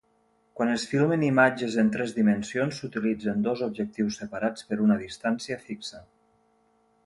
Quan es filmen imatges en tres dimensions s'utilitzen dos objectius separats per una distància fixa.